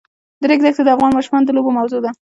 د ریګ دښتې د افغان ماشومانو د لوبو موضوع ده.